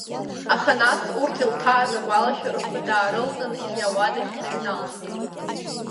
Аха нас, урҭ илҭааз агәалашәарақәа даарылҵын, егьи ауадахь дныҩналт.